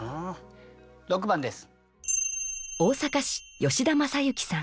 ６番です。